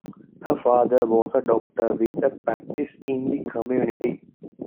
Her father was a doctor with a practice in the community.